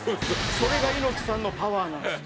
それが猪木さんのパワーなんですよ。